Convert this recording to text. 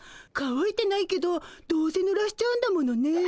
かわいてないけどどうせぬらしちゃうんだものね。